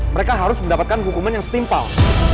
mereka harus mendapatkan hukuman yang setimpal